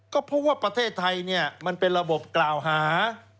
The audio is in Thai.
ก็เพราะว่าประเทศไทยเนี่ยมันเป็นระบบกล่าวหา